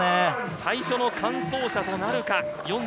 最初の完走者となるか。